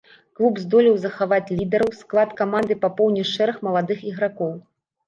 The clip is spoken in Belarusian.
Клуб здолеў захаваць лідараў, склад каманды папоўніў шэраг маладых ігракоў.